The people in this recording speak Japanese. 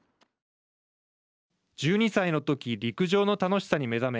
１２歳の時陸上の楽しさに目覚め